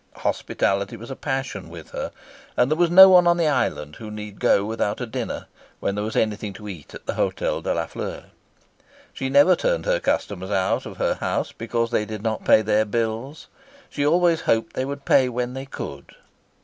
Hospitality was a passion with her, and there was no one on the island who need go without a dinner when there was anything to eat at the Hotel de la Fleur. She never turned her customers out of her house because they did not pay their bills. She always hoped they would pay when they could.